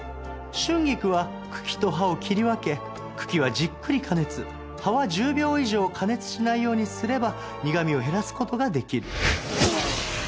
春菊は茎と葉を切り分け茎はじっくり加熱葉は１０秒以上加熱しないようにすれば苦みを減らす事ができる。